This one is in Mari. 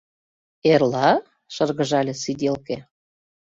— Эрла? — шыргыжале сиделке.